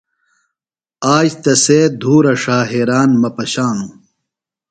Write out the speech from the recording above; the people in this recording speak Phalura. آج تسے دُھورہ ݜا حیران مہ پشانوۡ۔